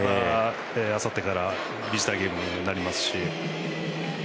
あさってからビジターゲームになりますし。